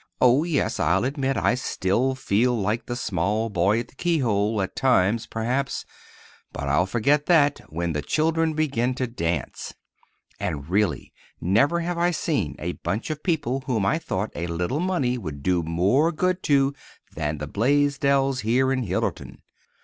Oh, yes, I'll admit I still feel like the small boy at the keyhole, at times, perhaps; but I'll forget that—when the children begin to dance. And, really, never have I seen a bunch of people whom I thought a little money would do more good to than the Blaisdells here in Hillerton.